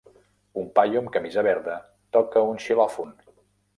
Un paio amb camisa verda toca un xilòfon.